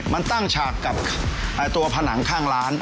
มันตั้งฉากกับตัวผนังข้างร้าน